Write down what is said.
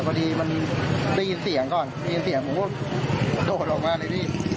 แล้วพอดีมันได้ยินเสียงก่อนยินเสียงโอ้โหโดดออกมาเลยนี่